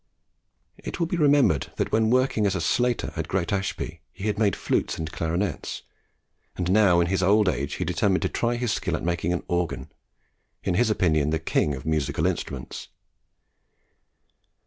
It will be remembered that when working as a slater at Great Ashby, he had made flutes and clarinets, and now in his old age he determined to try his skill at making an organ in his opinion the king of musical instruments.